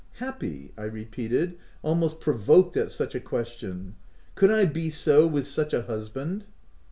" Happy !" I repeated, almost provoked at such a question — u Could I be so, with such a husband